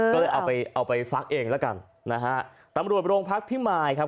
ก็เลยเอาไปเอาไปฟักเองแล้วกันนะฮะตำรวจโรงพักพิมายครับ